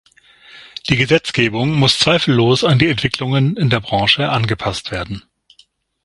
Die Gesetzgebung muss zweifellos an die Entwicklungen in der Branche angepasst werden.